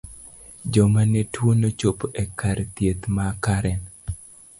Joma ne tuo nochopo e kar thieth ma karen.